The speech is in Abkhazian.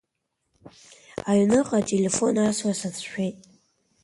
Аҩныҟа ателефон асра сацәшәеит.